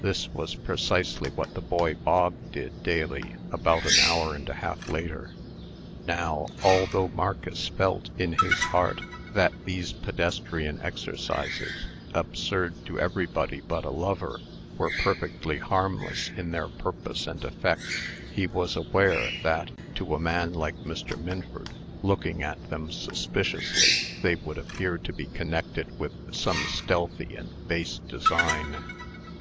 This was precisely what the boy Bog did daily about an hour and a half later. Now, although Marcus felt, in his heart, that these pedestrian exercises absurd to everybody but a lover were perfectly harmless in their purpose and effect, he was aware that, to a man like Mr. Minford, looking at them suspiciously, they would appear to be connected with some stealthy and base design.